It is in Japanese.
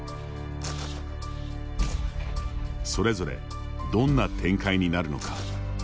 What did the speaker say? それぞれどんな展開になるのか。